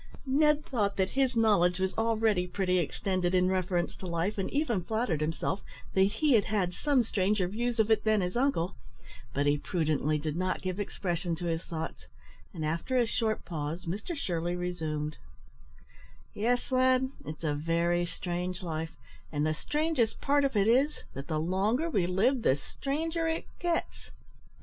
Ned thought that his knowledge was already pretty extended in reference to life, and even flattered himself that he had had some stranger views of it than his uncle, but he prudently did not give expression to his thoughts; and, after a short pause, Mr Shirley resumed "Yes, lad, it's a very strange life; and the strangest part of it is, that the longer we live the stranger it gets.